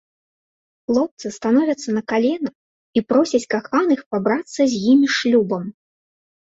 Хлопцы становяцца на калена і просяць каханых пабрацца з імі шлюбам!